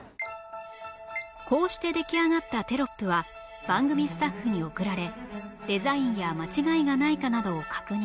こうして出来上がったテロップは番組スタッフに送られデザインや間違いがないかなどを確認